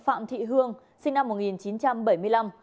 phạm thị hương sinh năm một nghìn chín trăm bảy mươi năm